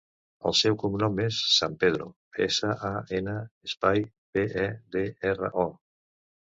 El seu cognom és San Pedro: essa, a, ena, espai, pe, e, de, erra, o.